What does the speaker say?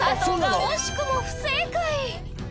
惜しくも不正解